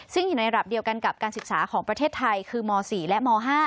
ซึ่งอยู่ในระดับเดียวกันกับการศึกษาของประเทศไทยคือม๔และม๕